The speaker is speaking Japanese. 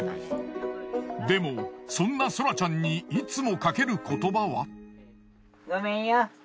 でもそんなソラちゃんにいつもかける言葉は。